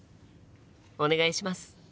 お願いします！